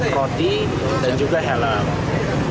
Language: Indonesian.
roti dan juga helm